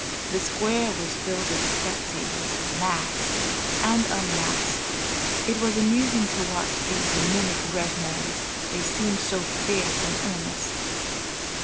The square was filled with spectators, masked and un masked. It was amusing to watch these mimic Red men, they seemed so fierce and earnest.